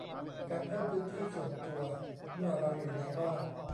การเพิ่มพื้นที่ส่วนตัวเมื่อเราอยู่ในบ้าน